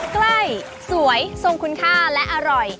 ไกลสวยสมคุณค่าและอร่อย